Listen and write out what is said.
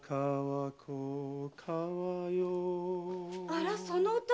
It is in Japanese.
あらその歌？